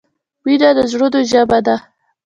مینه د زړونو ژبه ده.